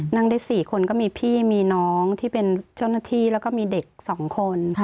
นั่งได้๔คนก็มีพี่มีน้องที่เป็นเจ้าหน้าที่แล้วก็มีเด็ก๒คน